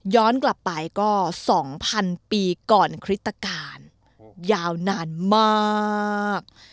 ย้อนกลับไปก็สองพันปีก่อนคริสตกาลยาวนานมาก